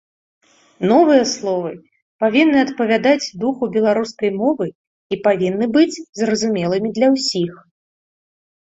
Новыя словы павінны адпавядаць духу беларускай мовы і павінны быць зразумелымі для ўсіх.